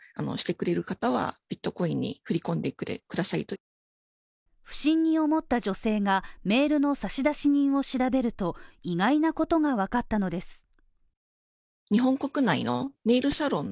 メールを受け取った女性は不審に思った情勢が、メールの差出人を調べると意外なことが分かったのです。